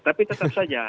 tapi tetap saja